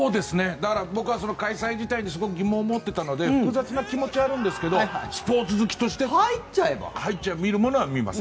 だから僕は開催自体に疑問を持っていたので複雑な気持ちはあるんですけどスポーツ好きとして入っちゃえば見るものは見ます。